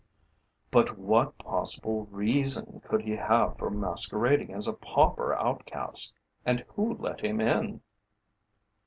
"But what possible reason could he have for masquerading as a pauper outcast, and who let him in?"